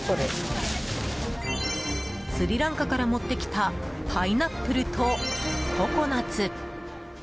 スリランカから持ってきたパイナップルとココナツ。